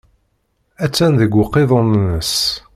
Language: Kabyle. Attan deg uqiḍun-nnes.